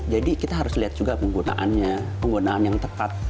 kita harus lihat juga penggunaannya penggunaan yang tepat